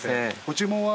ご注文は？